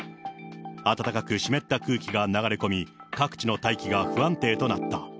暖かく湿った空気が流れ込み、各地の大気が不安定となった。